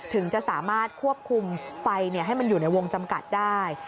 ถึงจะสามารถควบคุมไฟให้มันอยู่ในวงจำกัดได้